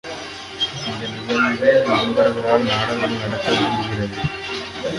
இந்த விழாவில் நண்பர்களால் நாடகம் நடக்க விருக்கின்றது.